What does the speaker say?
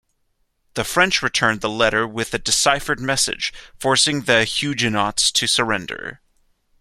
The French returned the letter with the deciphered message, forcing the Huguenots to surrender.